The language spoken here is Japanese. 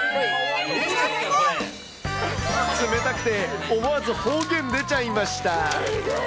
冷たくて思わず方言出ちゃいました。